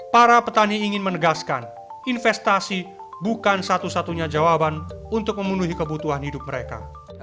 para petani ingin menegaskan investasi bukan satu satunya jawaban untuk memenuhi kebutuhan hidup mereka